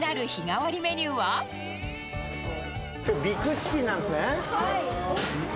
きょう、ビッグチキンなんですね。